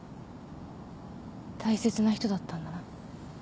大切な人だったんだな。